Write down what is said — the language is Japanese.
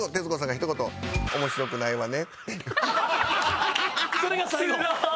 「あまり面白くないわね」。